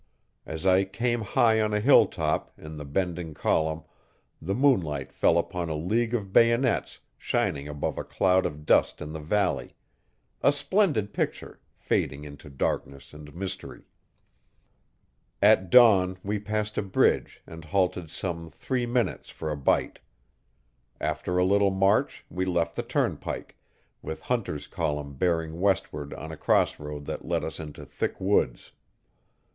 As I came high on a hill top, in the bending column, the moonlight fell upon a league of bayonets shining above a cloud of dust in the valley a splendid picture, fading into darkness and mystery. At dawn we passed a bridge and halted some three minutes for a bite. After a little march we left the turnpike, with Hunter's column bearing westward on a crossroad that led us into thick woods.